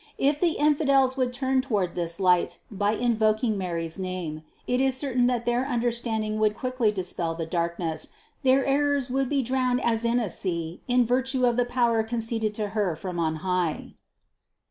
If the infidels would turn toward this light by 236 CITY OF GOD invoking Mary's name, it is certain that their under standing would quickly expel the darkness, their errors would be drowned as in a sea in virtue of the power con ceded to Her from on high.